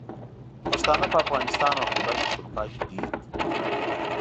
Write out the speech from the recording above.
پښتانه په افغانستان او خیبر پښتونخوا کې ډېر دي.